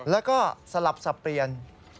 แล้วก็สลับสับเปลี่ยน